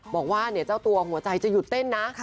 บอกว่าเดี๋ยวเจ้าตัวหัวใจจะหยุดเต้นนะ